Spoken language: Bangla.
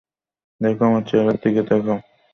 দেখো, আমার চেহারার দিকে তাকাও।